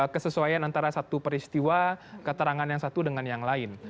kesesuaian antara satu peristiwa keterangan yang satu dengan yang lain